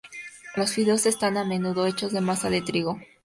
Los fideos, están a menudo hechos de masa de trigo.